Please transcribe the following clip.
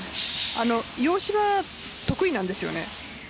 洋芝、得意なんですよね？